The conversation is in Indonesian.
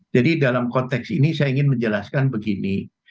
jadi dalam konteks ini saya ingin menjelaskan begini